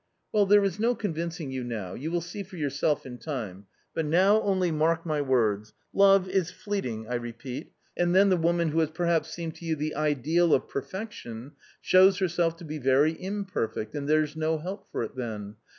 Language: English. "Well, there is no convincing you now, you will see for yourself in time, but now only mark my words ; love is fleet ing^ I repeat, and then the woman who has perhaps seemed to you the ideal of perfection shows herself to be very im perfect, and there's no help for it then.